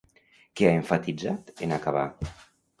Què ha emfatitzat, en acabar?